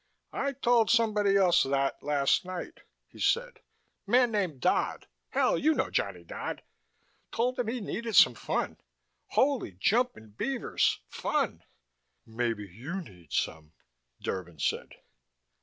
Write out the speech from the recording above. "I told somebody else that, last night," he said. "Man named Dodd hell, you know Johnny Dodd. Told him he needed some fun. Holy jumping beavers fun." "Maybe you need some," Derban said.